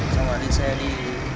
xong rồi đi xe đi